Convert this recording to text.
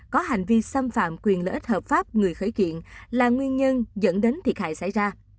có hành vi xâm phạm quyền lợi ích hợp pháp người khởi kiện là nguyên nhân dẫn đến thiệt hại xảy ra